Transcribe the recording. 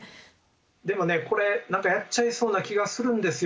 でもねこれ何かやっちゃいそうな気がするんですよ